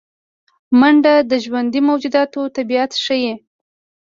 منډه د ژوندي موجوداتو طبیعت ښيي